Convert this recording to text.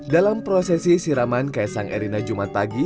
dalam prosesi siraman kaisang erina jumat pagi